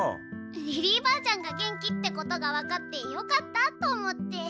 リリーばあちゃんが元気ってことがわかってよかったと思って。